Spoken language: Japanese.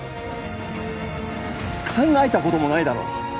考えたこともないだろ？